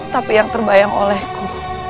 tapi yang terbayang olehku